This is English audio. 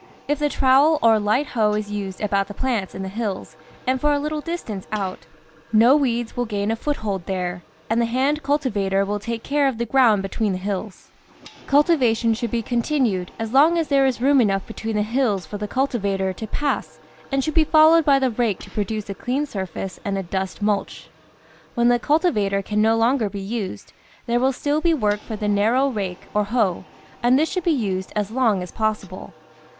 If the trowel or light hoe is used about the plants in the hills and for a little distance out, no weeds will gain a foothold there, and the hand cultivator will take care of the ground between the hills. Cul VINE VEGETABLES AND FRUITS tivation should be continued as long as there is room enough between the hills for' the cultivator to pass and should be followed by the rake to produce a clean surface and a dust mulch. When the cultiva tor can no longer be used, there will still be work for the narrow rake or hoe, and this should be used as long as possible.